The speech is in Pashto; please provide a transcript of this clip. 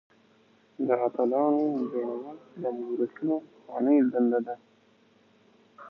د اتلانو جوړول د مورخينو پخوانۍ دنده ده.